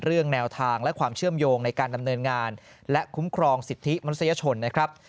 แนวทางและความเชื่อมโยงในการดำเนินงานและคุ้มครองสิทธิมนุษยชนนะครับ